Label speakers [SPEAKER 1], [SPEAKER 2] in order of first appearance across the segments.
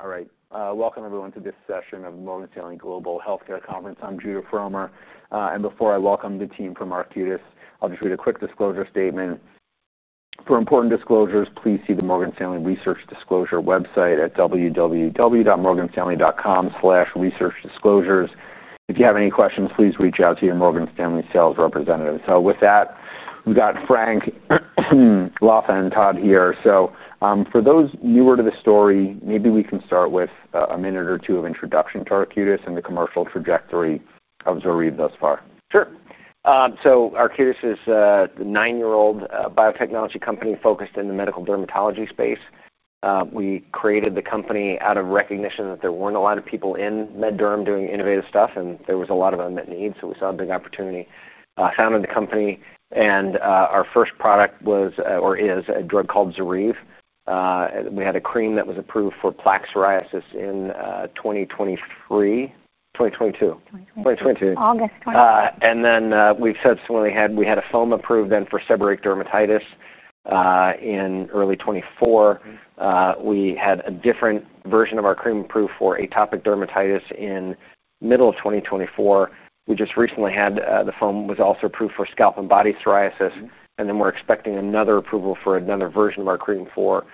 [SPEAKER 1] Okay. All right. Welcome everyone to this session of the Morgan Stanley Global Healthcare Conference. I'm Judah Frommer. Before I welcome the team from Arcutis Biotherapeutics, I'll just read a quick disclosure statement. For important disclosures, please see the Morgan Stanley Research Disclosure website at www.morganstanley.com/researchdisclosures. If you have any questions, please reach out to your Morgan Stanley sales representative. With that, we've got Frank, Latha, and Todd here. For those newer to the story, maybe we can start with a minute or two of introduction to Arcutis Biotherapeutics and the commercial trajectory of ZORYVE thus far.
[SPEAKER 2] Sure. Arcutis Biotherapeutics is a nine-year-old biotechnology company focused in the medical dermatology space. We created the company out of recognition that there were not a lot of people in med-derm doing innovative stuff, and there was a lot of unmet needs. We saw a big opportunity, founded the company, and our first product was, or is, a drug called ZORYVE. We had a cream that was approved for plaque psoriasis in 2023.
[SPEAKER 3] August.
[SPEAKER 2] We subsequently had a foam approved for seborrheic dermatitis in early 2024. We had a different version of our cream approved for atopic dermatitis in the middle of 2024. We just recently had the foam also approved for scalp and body psoriasis. We are expecting another approval for another version of our cream for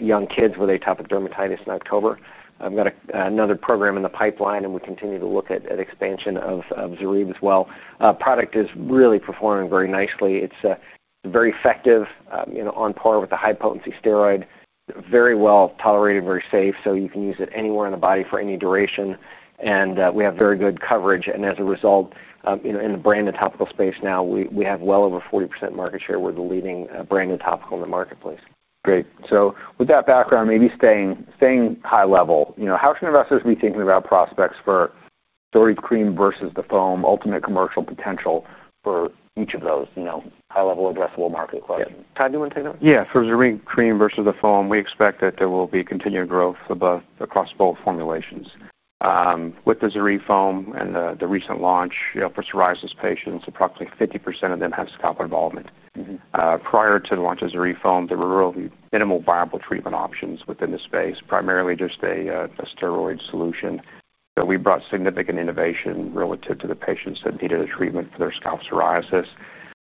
[SPEAKER 2] young kids with atopic dermatitis in October. I've got another program in the pipeline, and we continue to look at expansion of ZORYVE as well. Product is really performing very nicely. It's very effective, on par with the high-potency steroid, very well tolerated, very safe. You can use it anywhere in the body for any duration. We have very good coverage. As a result, in the branded topical space now, we have well over 40% market share. We're the leading branded topical in the marketplace.
[SPEAKER 1] Great. With that background, maybe staying high level, you know, how can investors be thinking about prospects for ZORYVE (roflumilast) Cream versus the Foam, ultimate commercial potential for each of those, you know, high-level addressable market questions?
[SPEAKER 2] Todd, do you want to take that one?
[SPEAKER 4] Yeah. For ZORYVE (roflumilast) Cream versus the Foam, we expect that there will be continued growth across both formulations. With the ZORYVE (roflumilast) Foam and the recent launch, for psoriasis patients, approximately 50% of them have scalp involvement. Prior to the launch of ZORYVE (roflumilast) Foam, there were really minimal viable treatment options within the space, primarily just a steroid solution. We brought significant innovation to the patients that needed a treatment for their scalp psoriasis.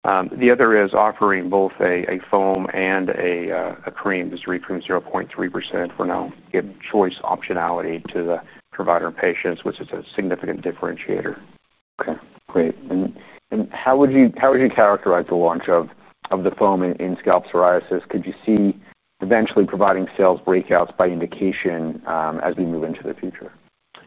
[SPEAKER 4] The other is offering both a Foam and a Cream, ZORYVE (roflumilast) Cream 0.3%, for now giving choice optionality to the provider and patients, which is a significant differentiator.
[SPEAKER 1] Great. How would you characterize the launch of the foam in scalp psoriasis? Could you see eventually providing sales breakouts by indication as we move into the future?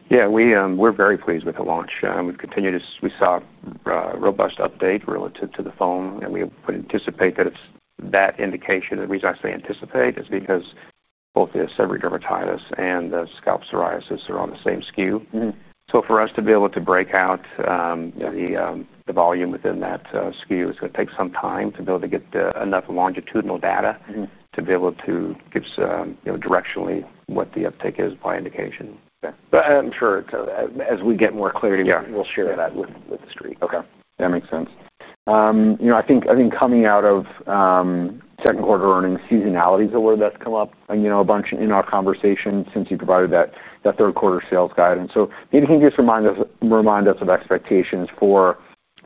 [SPEAKER 4] Yeah. We're very pleased with the launch. We've continued to, we saw a robust update relative to the foam. We anticipate that it's that indication. The reason I say anticipate is because both the seborrheic dermatitis and the scalp psoriasis are on the same SKU. For us to be able to break out the volume within that SKU, it's going to take some time to be able to get enough longitudinal data to give us directionally what the uptake is by indication.
[SPEAKER 1] Yeah.
[SPEAKER 4] As we get more clarity, we'll share that with the Street.
[SPEAKER 1] Okay. That makes sense. I think coming out of second quarter earnings, seasonality is a word that's come up a bunch in our conversation since you provided that third quarter sales guidance. Maybe can you just remind us of expectations for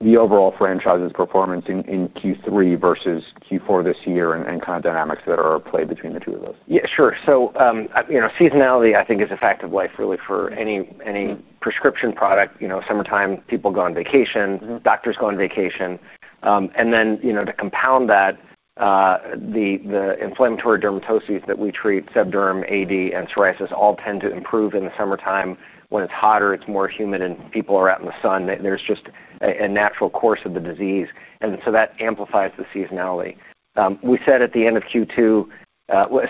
[SPEAKER 1] the overall franchise's performance in Q3 versus Q4 this year and kind of dynamics that are at play between the two of those?
[SPEAKER 2] Yeah, sure. Seasonality I think is a fact of life really for any prescription product. Summertime, people go on vacation, doctors go on vacation. To compound that, the inflammatory dermatoses that we treat, seborrheic dermatitis, atopic dermatitis, and psoriasis all tend to improve in the summertime when it's hotter, it's more humid, and people are out in the sun. There's just a natural course of the disease, and that amplifies the seasonality. We said at the end of Q2,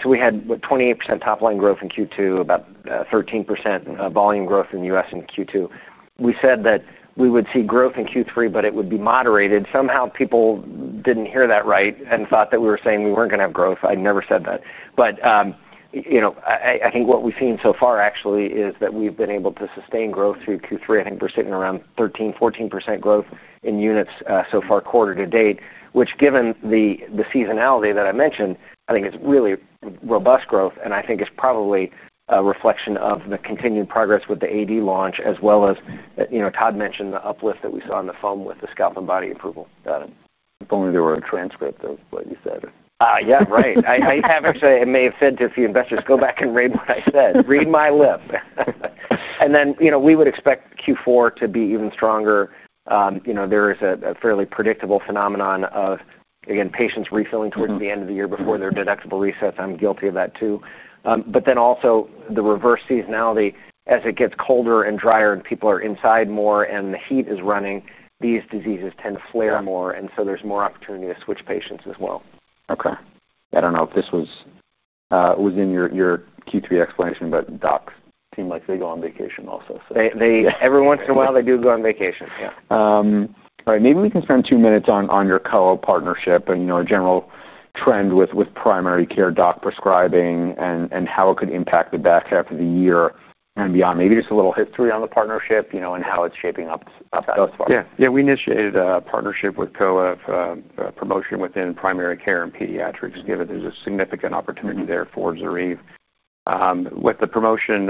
[SPEAKER 2] we had 28% top line growth in Q2, about 13% volume growth in the U.S. in Q2. We said that we would see growth in Q3, but it would be moderated. Somehow people didn't hear that right and thought that we were saying we weren't going to have growth. I never said that. I think what we've seen so far actually is that we've been able to sustain growth through Q3. I think we're sitting around 13%, 14% growth in units so far quarter to date, which given the seasonality that I mentioned, I think is really robust growth. I think it's probably a reflection of the continued progress with the atopic dermatitis launch as well as, you know, Todd mentioned the uplift that we saw in the foam with the scalp and body approval.
[SPEAKER 1] Got it. If only there were a transcript of what you said.
[SPEAKER 2] Yeah, right. I haven't said it, may have said to a few investors, go back and read what I said. Read my lip. We would expect Q4 to be even stronger. There is a fairly predictable phenomenon of, again, patients refilling towards the end of the year before their deductible resets. I'm guilty of that too. Also, the reverse seasonality as it gets colder and drier and people are inside more and the heat is running, these diseases tend to flare more. There is more opportunity to switch patients as well.
[SPEAKER 1] Okay. I don't know if this was in your Q3 explanation, but docs seem like they go on vacation also.
[SPEAKER 2] Every once in a while, they do go on vacation. Yeah.
[SPEAKER 1] All right. Maybe we can spend two minutes on your co-op partnership and your general trend with primary care doc prescribing and how it could impact the back half of the year and beyond. Maybe just a little history on the partnership, you know, and how it's shaping up thus far.
[SPEAKER 4] Yeah. Yeah, we initiated a partnership with co-op promotion within primary care and pediatrics, given there's a significant opportunity there for ZORYVE. With the promotion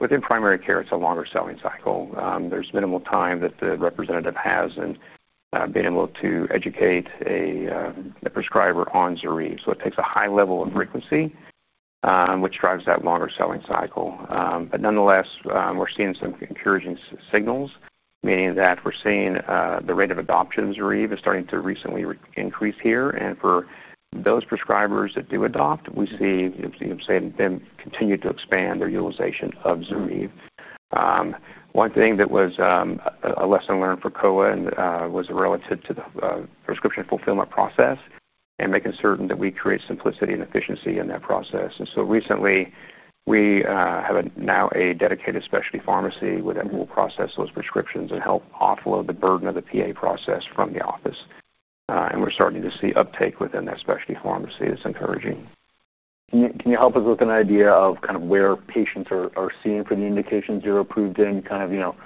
[SPEAKER 4] within primary care, it's a longer selling cycle. There's minimal time that the representative has in being able to educate the prescriber on ZORYVE. It takes a high level of frequency, which drives that longer selling cycle. Nonetheless, we're seeing some encouraging signals, meaning that we're seeing the rate of adoption of ZORYVE is starting to recently increase here. For those prescribers that do adopt, we see them continue to expand their utilization of ZORYVE. One thing that was a lesson learned for co-op and was relative to the prescription fulfillment process and making certain that we create simplicity and efficiency in that process. Recently, we have now a dedicated specialty pharmacy, and we'll process those prescriptions and help offload the burden of the PA process from the office. We're starting to see uptake within that specialty pharmacy that's encouraging.
[SPEAKER 1] Can you help us with an idea of kind of where patients are seen for the indications you're approved in, kind of, you know,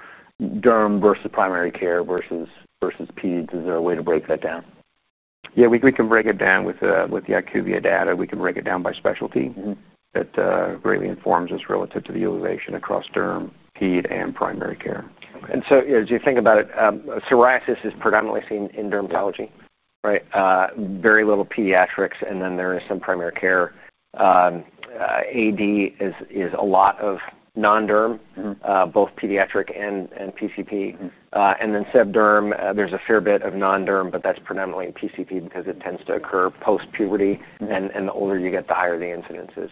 [SPEAKER 1] derm versus primary care versus peds? Is there a way to break that down?
[SPEAKER 4] Yeah, we can break it down with the IQVIA data. We can break it down by specialty, that greatly informs us relative to the utilization across derm, ped, and primary care.
[SPEAKER 2] As you think about it, psoriasis is predominantly seen in dermatology, right? Very little pediatrics, and then there is some primary care. AD is a lot of non-derm, both pediatric and PCP. Seb derm, there's a fair bit of non-derm, but that's predominantly PCP because it tends to occur post-puberty. The older you get, the higher the incidence is.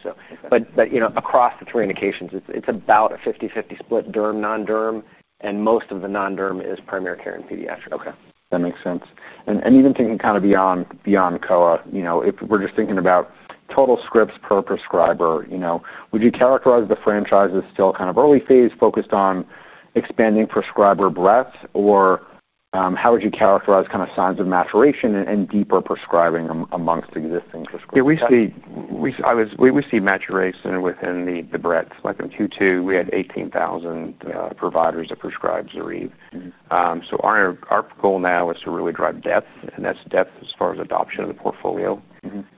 [SPEAKER 2] Across the three indications, it's about a 50% to 50% split, derm, non-derm, and most of the non-derm is primary care and pediatric.
[SPEAKER 1] Okay. That makes sense. Even thinking kind of beyond COA, if we're just thinking about total scripts per prescriber, would you characterize the franchise as still kind of early phase, focused on expanding prescriber breadth, or how would you characterize kind of signs of maturation and deeper prescribing amongst existing prescribers?
[SPEAKER 4] Yeah, we see maturation within the breadth. Like in Q2, we had 18,000 providers that prescribed ZORYVE. Our goal now is to really drive depth, and that's depth as far as adoption of the portfolio.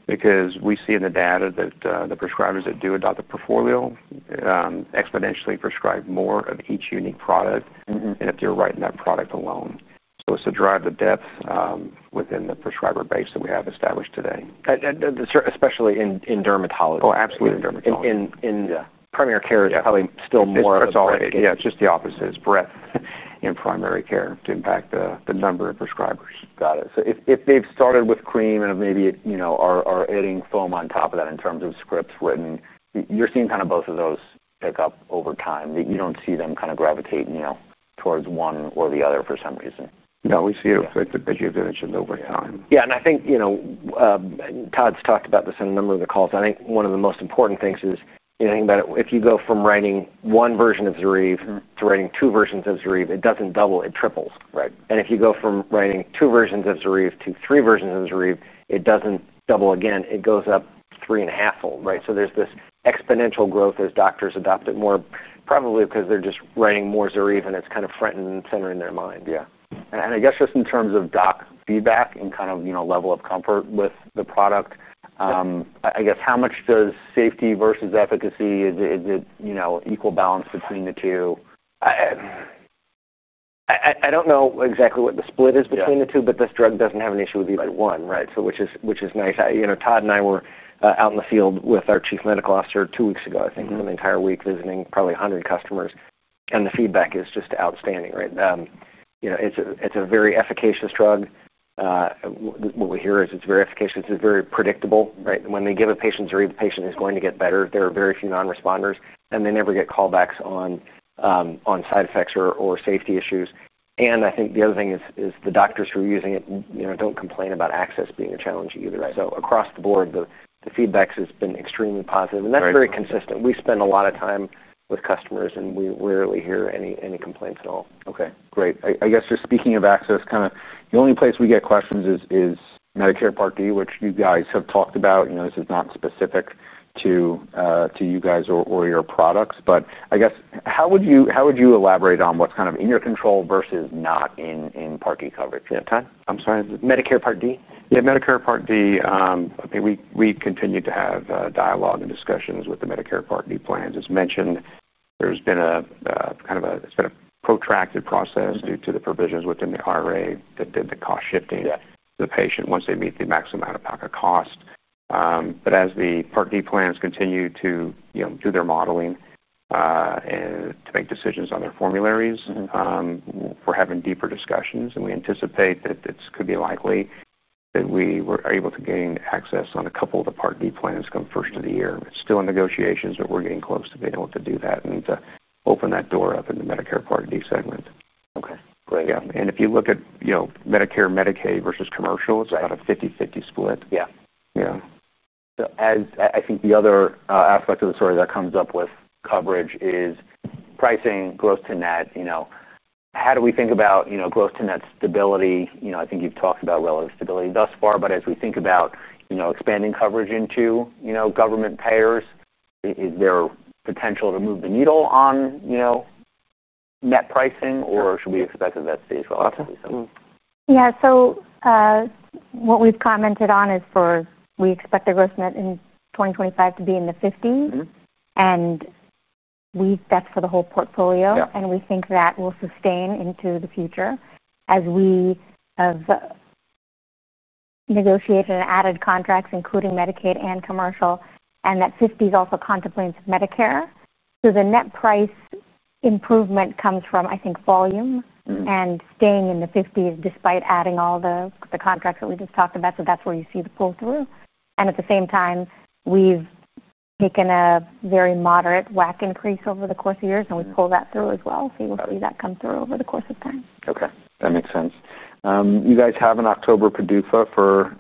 [SPEAKER 4] We see in the data that the prescribers that do adopt the portfolio exponentially prescribe more of each unique product than if they're writing that product alone. It's to drive the depth within the prescriber base that we have established today.
[SPEAKER 1] Especially in dermatology.
[SPEAKER 4] Oh, absolutely.
[SPEAKER 1] In primary care is probably still more of an opportunity.
[SPEAKER 4] Yeah, it's just the opposite. It's breadth in primary care to impact the number of prescribers.
[SPEAKER 1] Got it. If they've started with cream and maybe are adding foam on top of that in terms of scripts written, you're seeing both of those pick up over time. You don't see them gravitating towards one or the other for some reason.
[SPEAKER 4] No, we see it, as you've mentioned, over time.
[SPEAKER 2] Yeah, I think, you know, Todd's talked about this in a number of the calls. I think one of the most important things is, you know, think about it. If you go from writing one version of ZORYVE to writing two versions of ZORYVE, it doesn't double, it triples. Right. If you go from writing two versions of ZORYVE to three versions of ZORYVE, it doesn't double again. It goes up three and a half fold. Right. There's this exponential growth as doctors adopt it more, probably because they're just writing more ZORYVE and it's kind of front and center in their mind.
[SPEAKER 1] In terms of doc feedback and kind of, you know, level of comfort with the product, I guess how much does safety versus efficacy, is it, you know, equal balance between the two?
[SPEAKER 2] I don't know exactly what the split is between the two, but this drug doesn't have an issue with either one, right? Which is nice. Todd and I were out in the field with our Chief Medical Officer two weeks ago, I think, for the entire week, visiting probably 100 customers. The feedback is just outstanding, right? It's a very efficacious drug. What we hear is it's very efficacious. It's very predictable, right? When they give a patient ZORYVE, the patient is going to get better. There are very few non-responders. They never get callbacks on side effects or safety issues. I think the other thing is the doctors who are using it don't complain about access being a challenge either. Across the board, the feedback has been extremely positive. That's very consistent. We spend a lot of time with customers and we rarely hear any complaints at all.
[SPEAKER 1] Okay, great. I guess just speaking of access, kind of the only place we get questions is Medicare Part D, which you guys have talked about. You know, this is not specific to you guys or your products, but I guess how would you elaborate on what's kind of in your control versus not in Part D coverage?
[SPEAKER 2] Yeah, Todd?
[SPEAKER 4] I'm sorry?
[SPEAKER 2] Medicare Part D?
[SPEAKER 4] Yeah, Medicare Part D. I think we've continued to have dialogue and discussions with the Medicare Part D plans. As mentioned, it's been a protracted process due to the provisions within the IRA that did the cost shifting to the patient once they meet the maximum out-of-pocket cost. As the Part D plans continue to do their modeling and to make decisions on their formularies, we're having deeper discussions. We anticipate that it could be likely that we are able to gain access on a couple of the Part D plans come first of the year. It's still in negotiations, but we're getting close to being able to do that and to open that door up in the Medicare Part D segment.
[SPEAKER 1] Okay, great.
[SPEAKER 4] If you look at Medicare, Medicaid versus commercial, it's about a 50% to 50% split.
[SPEAKER 1] Yeah.
[SPEAKER 4] Yeah.
[SPEAKER 1] I think the other aspect of the story that comes up with coverage is pricing close to net. How do we think about close to net stability? I think you've talked about relative stability thus far, but as we think about expanding coverage into government payers, is there potential to move the needle on net pricing or should we expect at that stage?
[SPEAKER 3] Yeah. What we've commented on is we expect the gross-to-net in 2025 to be in the 50s.
[SPEAKER 1] Mm-hmm.
[SPEAKER 3] That's for the whole portfolio. We think that will sustain into the future as we have negotiated and added contracts, including Medicaid and commercial. That 50s also contemplates Medicare. The net price improvement comes from, I think, volume and staying in the 50s despite adding all the contracts that we just talked about. That's where you see the pull-through. At the same time, we've taken a very moderate WAC increase over the course of years. We pull that through as well. You'll see that come through over the course of time.
[SPEAKER 1] Okay. That makes sense. You guys have an October PDUFA for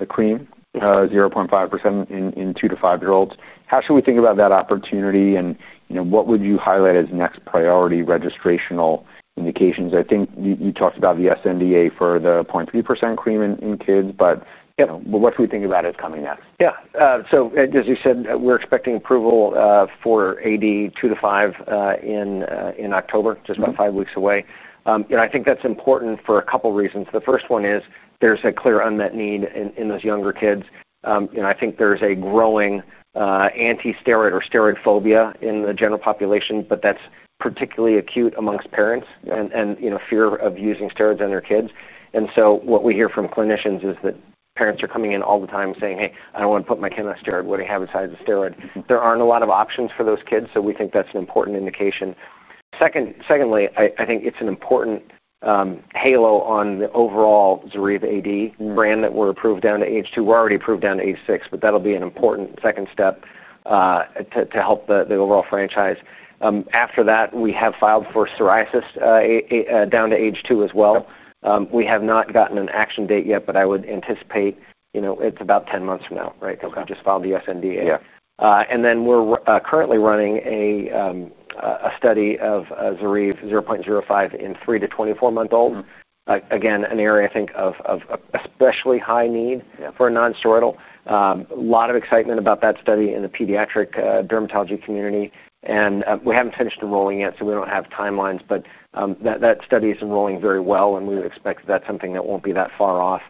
[SPEAKER 1] the cream, 0.15% in two to five-year-olds. How should we think about that opportunity? What would you highlight as next priority registrational indications? I think you talked about the SNDA for the 0.3% cream in kids, but what should we think about as coming next?
[SPEAKER 2] Yeah. As you said, we're expecting approval for AD two to five in October, just about five weeks away. I think that's important for a couple of reasons. The first one is there's a clear unmet need in those younger kids. I think there's a growing anti-steroid or steroid phobia in the general population, but that's particularly acute amongst parents and, you know, fear of using steroids on their kids. What we hear from clinicians is that parents are coming in all the time saying, "Hey, I don't want to put my kid on a steroid. What do you have besides a steroid?" There aren't a lot of options for those kids. We think that's an important indication. Secondly, I think it's an important halo on the overall ZORYVE AD brand that we're approved down to age two. We're already approved down to age six, but that'll be an important second step to help the overall franchise. After that, we have filed for psoriasis down to age two as well. We have not gotten an action date yet, but I would anticipate, you know, it's about 10 months from now, right? Because we just filed the SNDA. We're currently running a study of ZORYVE 0.05 in three to 24-month-olds. Again, an area, I think, of especially high need for a non-steroidal. A lot of excitement about that study in the pediatric dermatology community. We haven't finished the rolling yet, so we don't have timelines, but that study is enrolling very well, and we would expect that that's something that won't be that far off.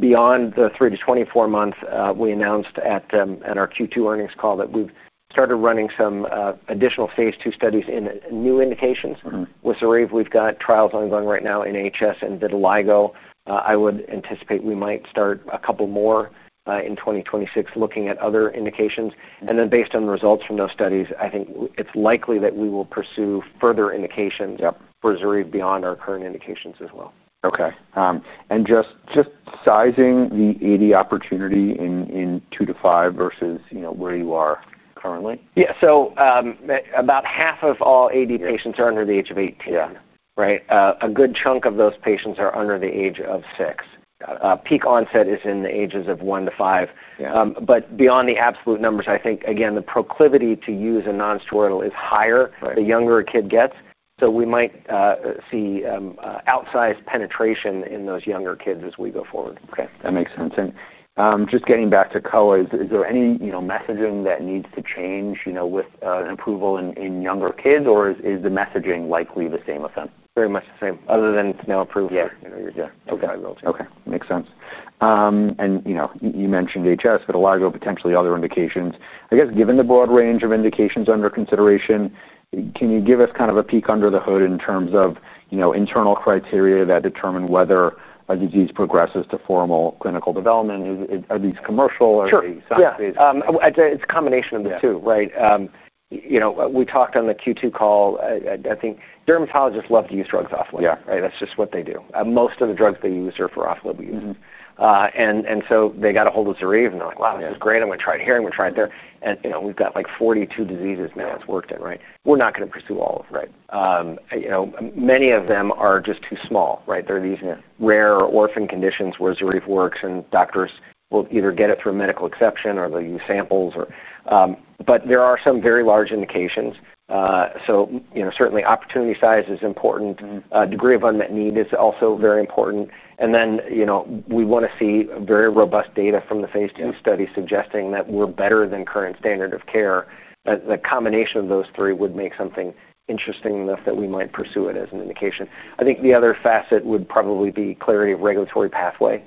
[SPEAKER 2] Beyond the three to 24 months, we announced at our Q2 earnings call that we've started running some additional phase two studies in new indications. With ZORYVE, we've got trials ongoing right now in hidradenitis suppurativa and vitiligo. I would anticipate we might start a couple more in 2026, looking at other indications. Based on the results from those studies, I think it's likely that we will pursue further indications for ZORYVE beyond our current indications as well.
[SPEAKER 1] Okay. Just sizing the atopic dermatitis opportunity in two to five versus, you know, where you are currently?
[SPEAKER 2] Yeah. About half of all atopic dermatitis patients are under the age of 18, right? A good chunk of those patients are under the age of six.
[SPEAKER 1] Got it.
[SPEAKER 2] Peak onset is in the ages of one to five. Beyond the absolute numbers, I think, again, the proclivity to use a non-steroidal is higher the younger a kid gets. We might see outsized penetration in those younger kids as we go forward.
[SPEAKER 1] Okay. That makes sense. Just getting back to COA, is there any messaging that needs to change with approval in younger kids, or is the messaging likely the same with them?
[SPEAKER 4] Very much the same, other than it's now approved for your five-year-olds.
[SPEAKER 1] Okay. Makes sense. You mentioned hidradenitis suppurativa, but a lot of potentially other indications. I guess given the broad range of indications under consideration, can you give us kind of a peek under the hood in terms of internal criteria that determine whether a disease progresses to formal clinical development? Are these commercial? Are they side space?
[SPEAKER 2] Sure. It's a combination of the two, right? You know, we talked on the Q2 call. I think dermatologists love to use drugs off-label, right? That's just what they do. Most of the drugs they use are for off-label use, and so they got a hold of ZORYVE and they're like, "Wow, this is great. I'm going to try it here. I'm going to try it there." You know, we've got like 42 diseases now it's worked in, right? We're not going to pursue all of them, right? Many of them are just too small, right? There are these rare or orphan conditions where ZORYVE works and doctors will either get it through a medical exception or they'll use samples. There are some very large indications. Certainly opportunity size is important. Degree of unmet need is also very important. Then, you know, we want to see very robust data from the phase two study suggesting that we're better than current standard of care. The combination of those three would make something interesting enough that we might pursue it as an indication. I think the other facet would probably be clarity of regulatory pathway.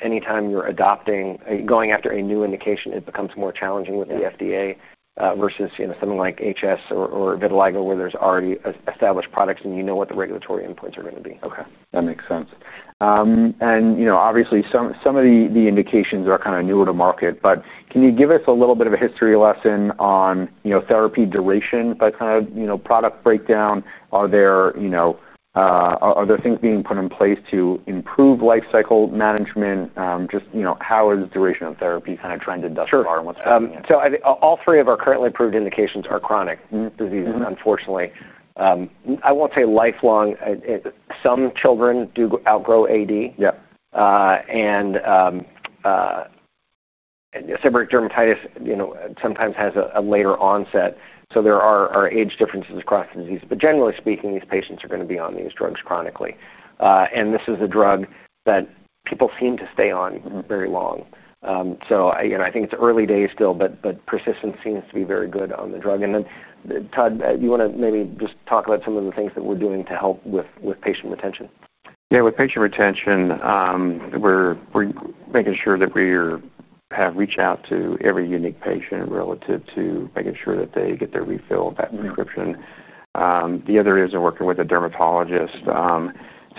[SPEAKER 2] Anytime you're adopting, going after a new indication, it becomes more challenging with the FDA, versus, you know, something like hidradenitis suppurativa or vitiligo where there's already established products and you know what the regulatory endpoints are going to be.
[SPEAKER 1] Okay. That makes sense. Obviously, some of the indications are kind of newer to market, but can you give us a little bit of a history lesson on, you know, therapy duration by kind of, you know, product breakdown? Are there things being put in place to improve lifecycle management? Just, you know, how is duration of therapy kind of trending thus far and what's happening?
[SPEAKER 2] Sure. I think all three of our currently approved indications are chronic diseases, unfortunately. I won't say lifelong. Some children do outgrow atopic dermatitis. Yeah, and seborrheic dermatitis sometimes has a later onset. There are age differences across the disease, but generally speaking, these patients are going to be on these drugs chronically. This is a drug that people seem to stay on very long. I think it's early days still, but persistence seems to be very good on the drug. Todd, you want to maybe just talk about some of the things that we're doing to help with patient retention?
[SPEAKER 4] With patient retention, we're making sure that we have reached out to every unique patient relative to making sure that they get their refill of that prescription. The other is in working with a dermatologist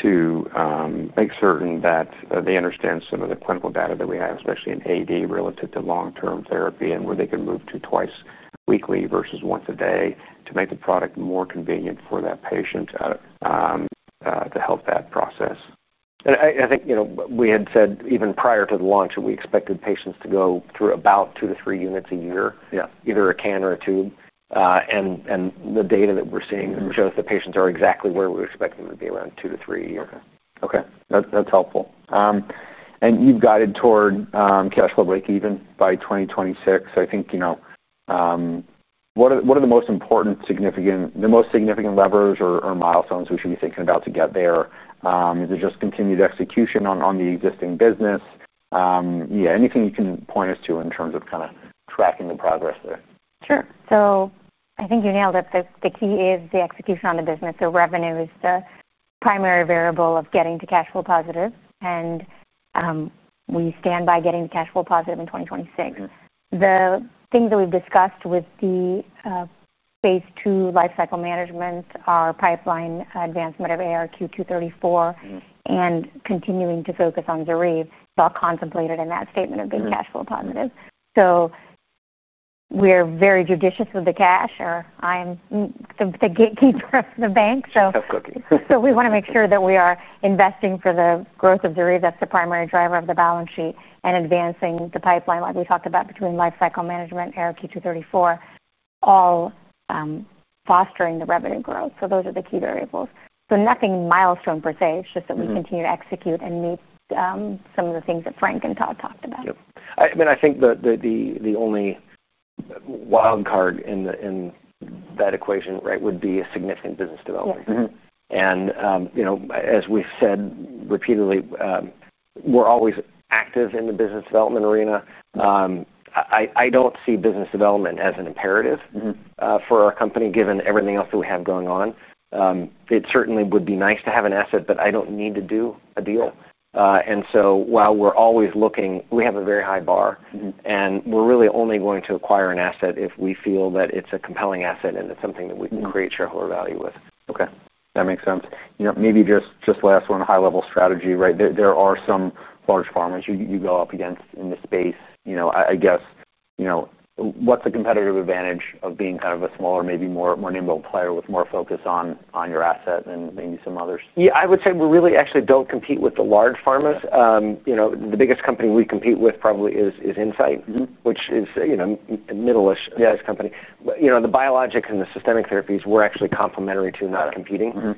[SPEAKER 4] to make certain that they understand some of the clinical data that we have, especially in atopic dermatitis relative to long-term therapy and where they can move to twice weekly versus once a day to make the product more convenient for that patient, to help that process.
[SPEAKER 2] We had said even prior to the launch that we expected patients to go through about two to three units a year, either a can or a tube. The data that we're seeing shows that patients are exactly where we expect them to be, around two to three a year.
[SPEAKER 1] Okay. That's helpful. You've guided toward cash flow break even by 2026. I think, you know, what are the most important, significant, the most significant levers or milestones we should be thinking about to get there? Is it just continued execution on the existing business? Yeah, anything you can point us to in terms of kind of tracking the progress there.
[SPEAKER 3] Sure. I think you nailed it. The key is the execution on the business. Revenue is the primary variable of getting to cash flow positive, and we stand by getting to cash flow positive in 2026. The things that we've discussed with the phase two lifecycle management are pipeline advancement of ARQ-234 and continuing to focus on ZORYVE. It's all contemplated in that statement of being cash flow positive. We're very judicious of the cash. I'm the gatekeeper of the bank.
[SPEAKER 1] Tough cookie.
[SPEAKER 3] We want to make sure that we are investing for the growth of ZORYVE. That's the primary driver of the balance sheet and advancing the pipeline like we talked about between lifecycle management, ARQ-234, all fostering the revenue growth. Those are the key variables. Nothing milestone per se. It's just that we continue to execute and meet some of the things that Frank and Todd talked about.
[SPEAKER 2] Yep. I mean, I think the only wild card in that equation would be a significant business development. And you know, as we've said repeatedly, we're always active in the business development arena. I don't see business development as an imperative for our company, given everything else that we have going on. It certainly would be nice to have an asset, but I don't need to do a deal. While we're always looking, we have a very high bar. And we're really only going to acquire an asset if we feel that it's a compelling asset and it's something that we can create shareholder value with.
[SPEAKER 1] Okay. That makes sense. Maybe just last one, high-level strategy, right? There are some large pharmas you go up against in this space. I guess, you know, what's the competitive advantage of being kind of a smaller, maybe more nimble player with more focus on your asset than maybe some others?
[SPEAKER 2] Yeah, I would say we really actually don't compete with the large pharmas. You know, the biggest company we compete with probably is Incyte, which is, you know, a middle-ish size company. The biologics and the systemic therapies, we're actually complementary to, not competing.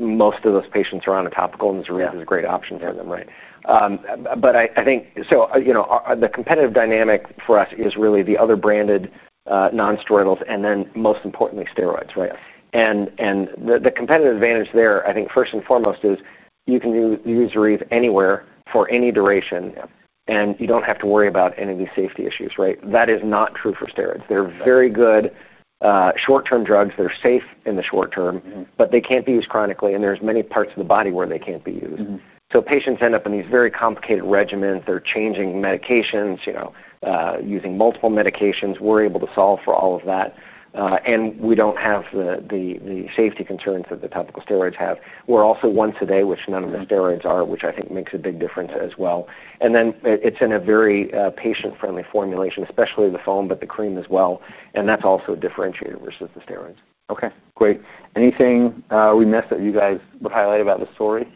[SPEAKER 2] Most of those patients are on a topical, and ZORYVE is a great option to them, right? I think the competitive dynamic for us is really the other branded non-steroidals, and then most importantly, steroids, right? The competitive advantage there, I think, first and foremost, is you can use ZORYVE anywhere for any duration. You don't have to worry about any of these safety issues, right? That is not true for steroids. They're very good, short-term drugs. They're safe in the short term, but they can't be used chronically, and there's many parts of the body where they can't be used. Patients end up in these very complicated regimens. They're changing medications, using multiple medications. We're able to solve for all of that, and we don't have the safety concerns that the topical steroids have. We're also once a day, which none of the steroids are, which I think makes a big difference as well. It's in a very patient-friendly formulation, especially the foam, but the cream as well. That's also differentiated versus the steroids.
[SPEAKER 1] Okay. Great. Anything we missed that you guys would highlight about the story?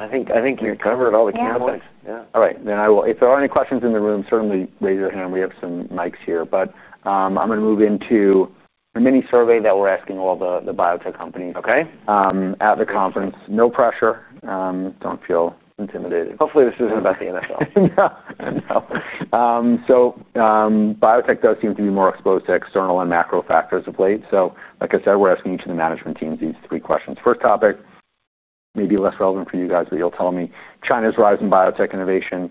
[SPEAKER 2] I think you covered all the key points.
[SPEAKER 1] All right. If there are any questions in the room, certainly raise your hand. We have some mics here. I'm going to move into a mini survey that we're asking all the biotech companies at the conference. No pressure. Don't feel intimidated.
[SPEAKER 2] Hopefully, this isn't about the NFL.
[SPEAKER 1] Yeah. No, biotech does seem to be more exposed to external and macro factors of late. Like I said, we're asking each of the management teams these three questions. First topic, maybe less relevant for you guys, but you'll tell me, China's rising biotech innovation.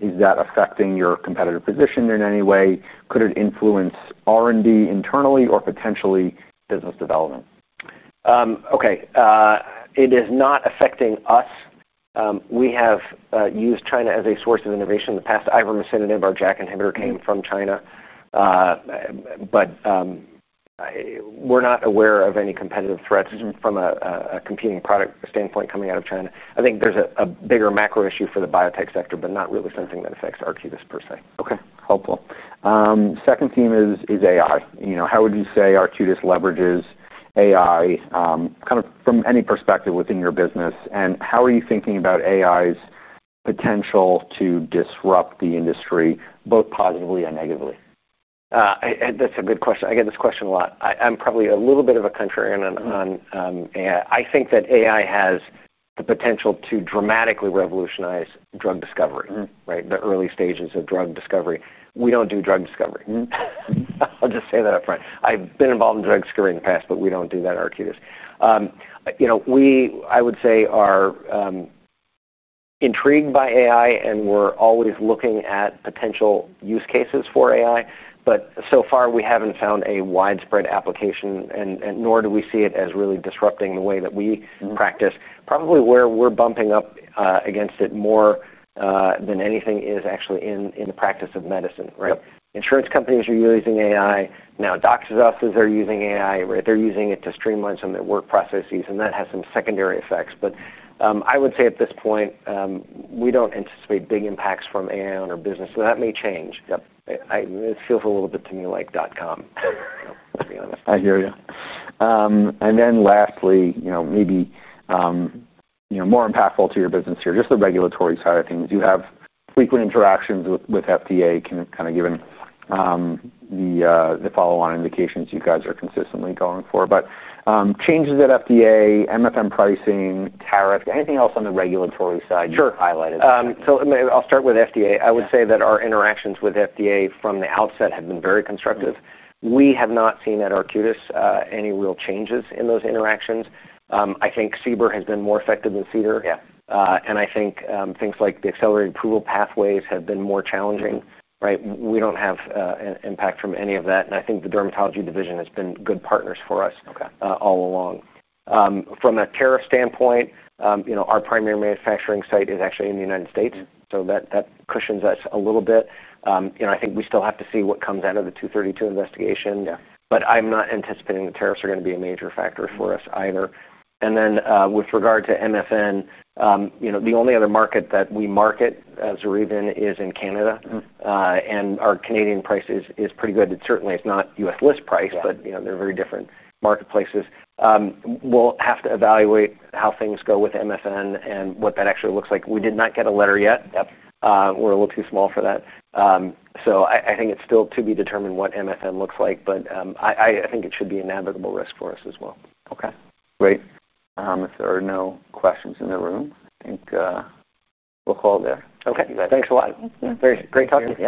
[SPEAKER 1] Is that affecting your competitive position in any way? Could it influence R&D internally or potentially business development?
[SPEAKER 2] Okay. It is not affecting us. We have used China as a source of innovation in the past. Ivermectin and NMR JAK inhibitor came from China, but we're not aware of any competitive threats from a computing product standpoint coming out of China. I think there's a bigger macro issue for the biotech sector, but not really something that affects Arcutis per se.
[SPEAKER 1] Okay. Helpful. Second theme is AI. You know, how would you say Arcutis Biotherapeutics leverages AI kind of from any perspective within your business? How are you thinking about AI's potential to disrupt the industry, both positively and negatively?
[SPEAKER 2] That's a good question. I get this question a lot. I'm probably a little bit of a contrarian on AI. I think that AI has the potential to dramatically revolutionize drug discovery, right? The early stages of drug discovery. We don't do drug discovery. I'll just say that up front. I've been involved in drug discovery in the past, but we don't do that at Arcutis Biotherapeutics. You know, we, I would say, are intrigued by AI, and we're always looking at potential use cases for AI. So far, we haven't found a widespread application, nor do we see it as really disrupting the way that we practice. Probably where we're bumping up against it more than anything is actually in the practice of medicine, right? Insurance companies are using AI. Now, doctors' offices are using AI, right? They're using it to streamline some of their work processes, and that has some secondary effects. I would say at this point, we don't anticipate big impacts from AI on our business. That may change.
[SPEAKER 1] Yep.
[SPEAKER 2] It feels a little bit to me like dot com.
[SPEAKER 1] I hear you. Lastly, maybe more impactful to your business here, just the regulatory side of things. You have frequent interactions with FDA, kind of given the follow-on indications you guys are consistently going for. Changes at FDA, MFM pricing, tariffs, anything else on the regulatory side you highlighted?
[SPEAKER 2] Sure. I'll start with FDA. I would say that our interactions with FDA from the outset have been very constructive. We have not seen at Arcutis Biotherapeutics any real changes in those interactions. I think CBER has been more effective than CDER. I think things like the accelerated approval pathways have been more challenging, right? We don't have an impact from any of that. I think the dermatology division has been good partners for us all along. From a tariff standpoint, our primary manufacturing site is actually in the United States. That cushions us a little bit. I think we still have to see what comes out of the 232 investigation. I'm not anticipating the tariffs are going to be a major factor for us either. With regard to MFM, the only other market that we market ZORYVE in is in Canada. Our Canadian price is pretty good. It certainly is not U.S. list price, but they're very different marketplaces. We'll have to evaluate how things go with MFM and what that actually looks like. We did not get a letter yet. We're a little too small for that. I think it's still to be determined what MFM looks like, but I think it should be an inevitable risk for us as well.
[SPEAKER 1] Okay. Great. If there are no questions in the room, I think we'll call it there.
[SPEAKER 2] Okay, thanks a lot.
[SPEAKER 1] Yeah.
[SPEAKER 2] Great. Great talking to you.